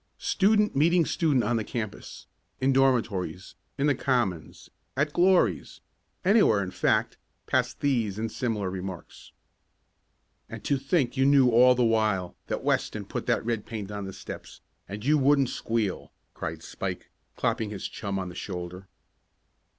Student meeting student on the campus, in dormitories, in the commons, at Glory's anywhere in fact, passed these, and similar remarks. "And to think you knew, all the while, that Weston put that red paint on the steps, and you wouldn't squeal!" cried Spike, clapping his chum on the shoulder.